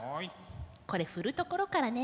これ振るところからね。